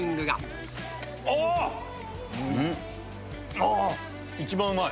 あ一番うまい。